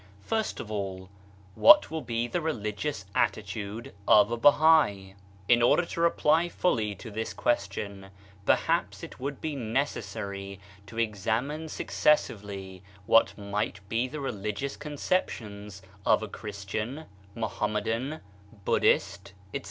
First of all, what will be the religious attitude of a Bahai ? In order to reply fully to this question, perhaps it would be necessary to examine successively what might be the religious conceptions of a Christian, Muhammadan, Buddhist, etc.